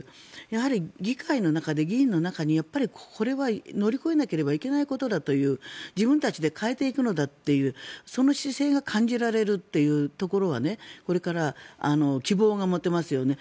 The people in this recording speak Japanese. やはり議会の中で、議員の中にこれは乗り越えなければいけないことだという自分たちで変えていくのだというその姿勢が感じられるところはこれから希望が持てますよね。